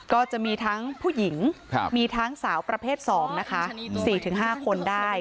ก็จะมีทั้งผู้หญิงครับมีทั้งสาวประเภทสองนะคะสี่ถึงห้าคนได้